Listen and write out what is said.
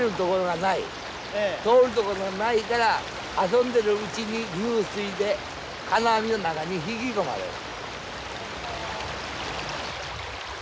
通る所ないから遊んでるうちに流水で金網の中に引き込まれる。